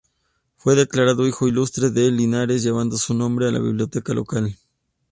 Fue declarado Hijo Ilustre de Linares, llevando su nombre la biblioteca local.